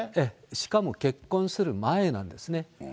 しかも結婚する前なんですね。